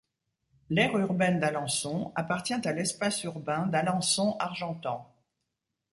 L'aire urbaine d'Alençon appartient à l'espace urbain d'Alençon-Argentan.